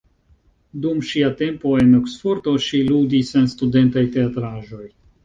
Dum ŝia tempo en Oksfordo, ŝi ludis en studentaj teatraĵoj.